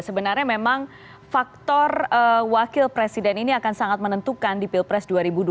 sebenarnya memang faktor wakil presiden ini akan sangat menentukan di pilpres dua ribu dua puluh